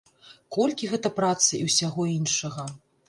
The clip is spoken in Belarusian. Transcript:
Колькі гэта працы і ўсяго іншага!